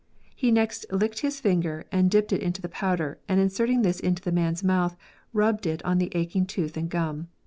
He next licked his finger and dipped it into the powder, and inserting this into the man^s mouth, rubbed it on the aching tooth and gum.